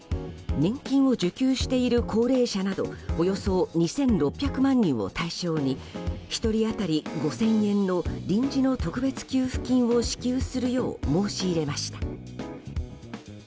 年金を受給している高齢者などおよそ２６００万人を対象に１人当たり５０００円の臨時の特別給付金を支給するよう申し入れました。